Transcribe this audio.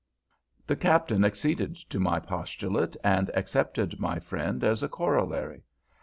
The Captain acceded to my postulate, and accepted my friend as a corollary.